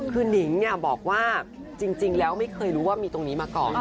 คือนิงบอกว่าจริงแล้วไม่เคยรู้ว่ามีตรงนี้มาก่อน